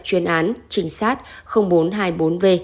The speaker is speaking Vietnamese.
chuyên án trinh sát bốn trăm hai mươi bốn v